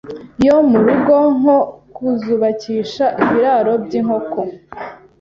yo mu rugo nko kuzubakisha ibiraro by’inkoko